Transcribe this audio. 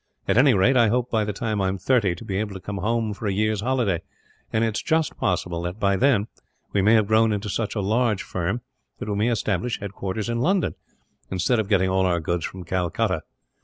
At any rate, I hope by the time that I am thirty, to be able to come home for a year's holiday; and it is just possible that, by then, we may have grown into such a big firm that we may establish headquarters in London, instead of getting all our goods from Calcutta.